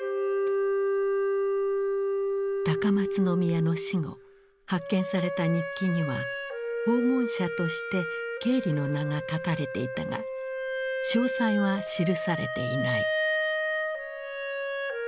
高松宮の死後発見された日記には訪問者としてケーリの名が書かれていたが詳細は記されていない。